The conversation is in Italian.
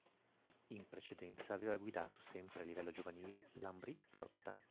In precedenza aveva guidato, sempre a livello giovanile, l'Ambrì-Piotta.